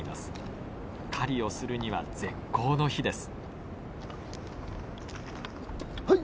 狩りをするには絶好の日です。